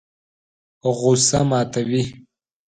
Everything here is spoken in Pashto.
غوسه ماتوي.